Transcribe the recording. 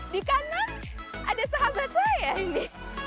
di kanan ada sahabat saya ini